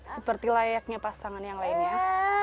seperti layaknya pasangan yang lainnya